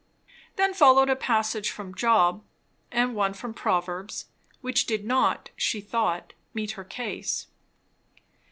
Then followed a passage from Job and one from Proverbs, which did not, she thought, meet her case.